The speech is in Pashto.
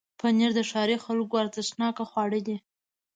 پنېر د ښاري خلکو ارزښتناکه خواړه دي.